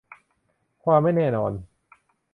ความไม่แน่นอน